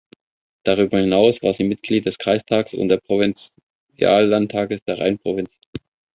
Darüber hinaus war sie Mitglied des Kreistages und des Provinziallandtages der Rheinprovinz.